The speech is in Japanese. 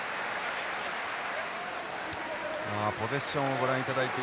ポゼッションをご覧いただいています。